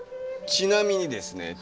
ちなみにですね